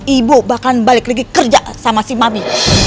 ibu bahkan balik lagi kerja sama si mami